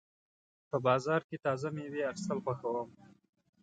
په بازار کې تازه مېوې اخیستل خوښوم.